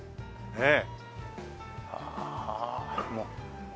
ねえ。